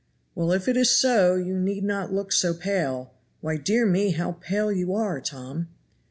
"Well, if it is so, you need not look so pale; why, dear me, how pale you are, Tom!"